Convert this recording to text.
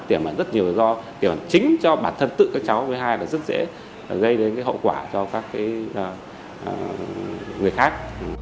tiểm bản rất nhiều do tiểm bản chính cho bản thân tự các cháu với hai là rất dễ gây đến hậu quả cho các người khác